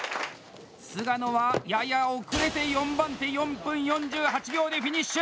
菅野は、やや遅れて４番手４分４８秒でフィニッシュ！